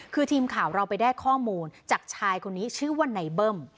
คือทีมข่าวเราไปได้ข้อมูลจากชายคนนี้ชื่อว่านายเบิ้ม